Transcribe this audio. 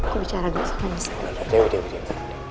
biar bicara dulu sama nis